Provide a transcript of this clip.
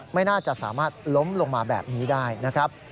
ไม่น่าจะสามารถล้มลงมาแบบนี้ได้นะครับ